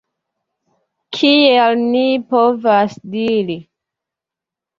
Kiel ni povas diri?